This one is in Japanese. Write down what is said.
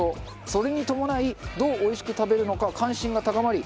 それに伴いどうおいしく食べるのか関心が高まり